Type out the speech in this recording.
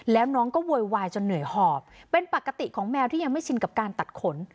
แล้วน้องก็โวยวายจนเหนื่อยหอบเป็นปกติของแมวที่ยังไม่ชินกับการตัดขน